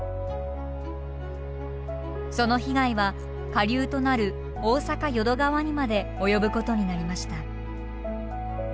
その被害は下流となる大阪淀川にまで及ぶことになりました。